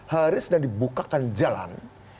harus dan dibukakan jalan